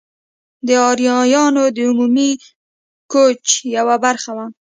د آریایانو د عمومي کوچ یوه برخه وه.